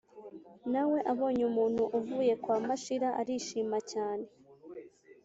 na we abonye umuntu uvuye kwa mashira arishima cyane